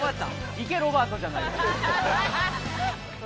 「行けロバート」じゃないねん